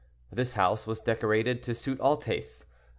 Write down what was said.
This house was decorated to suit all tastes.